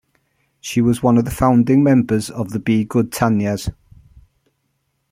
She was one of the founding members of The Be Good Tanyas.